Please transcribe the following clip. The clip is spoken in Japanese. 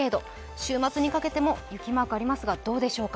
週末にかけても雪マークありますが、どうでしょうか。